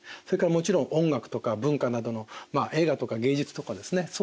それからもちろん音楽とか文化などの映画とか芸術とかですね